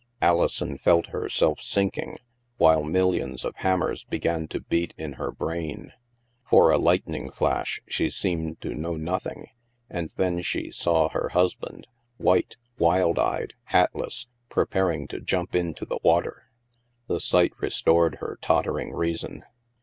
Alison felt herself sinking, while millions of ham mers began to beat in her brain. For a lightning flash she seemed to know nothing, and then she saw her husband, white, wild eyed, hatless, preparing to jtimp into the water. The sight restored her tottering reason.